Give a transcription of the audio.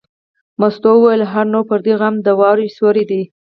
مستو وویل: هو نو پردی غم د واورې سیوری دی.